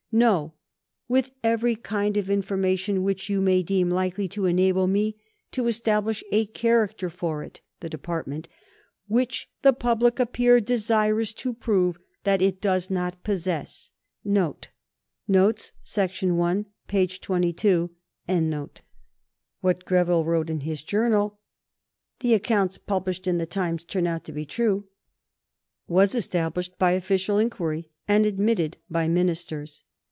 No "with every kind of information which you may deem likely to enable me to establish a character for it [the Department], which the public appear desirous to prove that it does not possess." But though there was much conflict of evidence, the final verdict was decisive. What Greville wrote in his Journal "the accounts published in the Times turn out to be true" was established by official inquiry and admitted by Ministers.